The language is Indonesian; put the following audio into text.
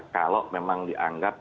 kalau memang dianggap